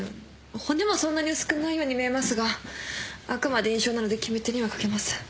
骨もそんなに薄くないように見えますがあくまで印象なので決め手には欠けます。